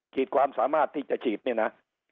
ความสามารถที่จะฉีดเนี่ยนะ